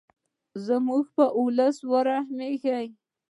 زموږ په ولس ورحمیږې.